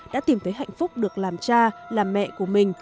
đã tìm thấy hạnh phúc được làm cha làm mẹ của mình